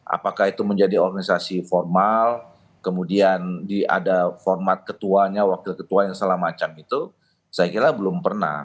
apakah itu menjadi organisasi formal kemudian ada format ketuanya wakil ketuanya segala macam itu saya kira belum pernah